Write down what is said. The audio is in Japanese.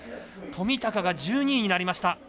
冨高が１２位になりました。